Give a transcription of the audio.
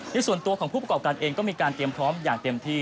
ส่วนตัวของผู้ประกอบการเองก็มีการเตรียมพร้อมอย่างเต็มที่